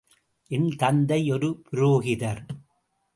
என் தந்தை ஒரு புரோகிதர்.